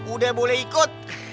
udah boleh ikut